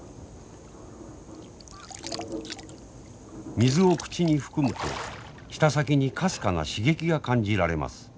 水を口に含むと舌先にかすかな刺激が感じられます。